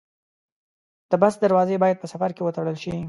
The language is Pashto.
د بس دروازې باید په سفر کې وتړل شي.